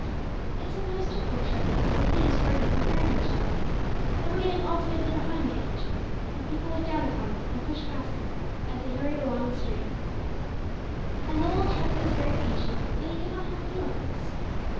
It sometimes struck old Treffy that he and his organ were very much alike, they were getting altogether behind the age; and people looked down upon them and pushed past them, as they hurried along the street. And though old Treffy was very patient, yet he could not help feeling this.